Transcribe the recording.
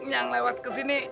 yang lewat kesini